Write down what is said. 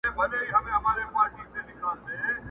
چي مي په کلیو کي بلا لنګه سي.!